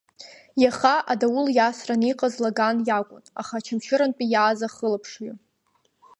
Иаха адаул иасран иҟаз Лаган иакәын, аха Очамчырантәи иааз ахылаԥшҩы…